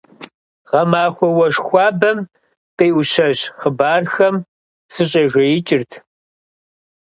Гъэмахуэ уэшх хуабэм, къиӏущэщ хъыбархэм сыщӏэжеикӏырт.